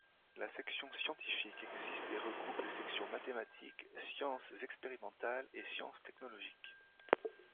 La section scientifique existe et regroupe les sections mathématiques, sciences expérimentales et sciences technologiques.